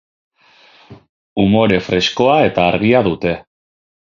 Umore freskoa eta argia dute.